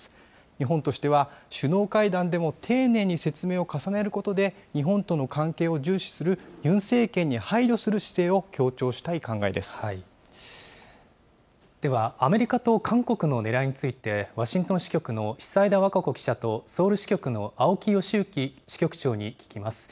日本としては、首脳会談でも丁寧に説明を重ねることで、日本との関係を重視するユン政権に配慮する姿勢を強調したい考えでは、アメリカと韓国のねらいについて、ワシントン支局の久枝和歌子記者とソウル支局の青木良行支局長に聞きます。